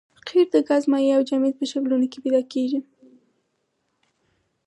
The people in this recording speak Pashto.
قیر د ګاز مایع او جامد په شکلونو پیدا کیږي